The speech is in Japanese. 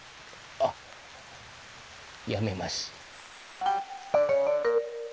あっやめます。